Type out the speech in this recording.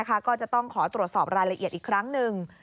ก็จะต้องขอตรวจสอบรายละเอียดอีกครั้งหนึ่ง